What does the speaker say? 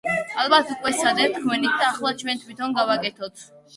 ალბათ უკვე სცადეთ თქვენით და ახლა ჩვენ თვითონ გავაკეთოთ.